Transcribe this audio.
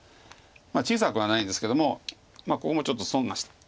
小さくはないんですけどもまあここもちょっと損だし。